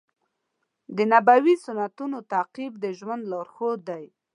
د نبوي سنتونو تعقیب د ژوند لارښود دی.